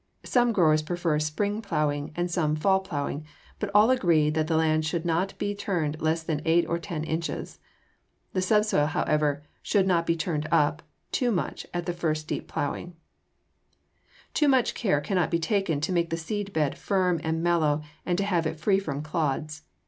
Some growers prefer spring plowing and some fall plowing, but all agree that the land should not be turned less than eight or ten inches. The subsoil, however, should not be turned up too much at the first deep plowing. Too much care cannot be taken to make the seed bed firm and mellow and to have it free from clods.